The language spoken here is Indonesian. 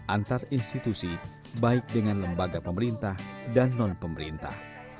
antar institusi baik dengan lembaga pemerintah dan non pemerintah